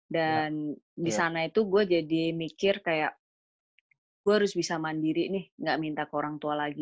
dan disana itu gue jadi mikir kayak gue harus bisa mandiri nih gak minta ke orang tua lagi